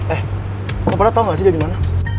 eh lo pada tau gak sih dia gimana